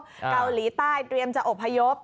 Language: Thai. เกาหลีใต้เตรียมจะอบพยพ